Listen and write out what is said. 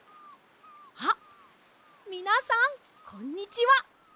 あっみなさんこんにちは。